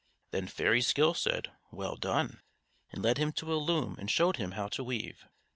Then Fairy Skill said "Well done," and led him to a loom and showed him how to weave.